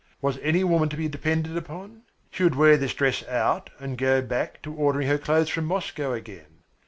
Was any woman to be depended upon? She would wear this dress out and go back to ordering her clothes from Moscow again.